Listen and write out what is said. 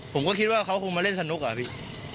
ผมก็คิดว่าเขาคงมาเล่นสนุกอะพี่